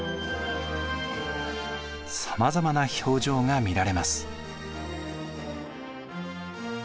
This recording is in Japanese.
さまざまな表情が見られます。